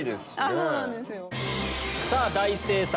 そうなんですよ。